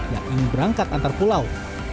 yang ingin berangkat antar pulau